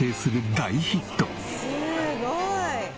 すごい。